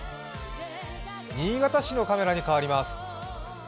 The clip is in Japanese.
新潟市のカメラに変わります。